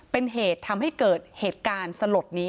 เป็นเหตุทำให้เกิดเหตุการณ์สลดนี้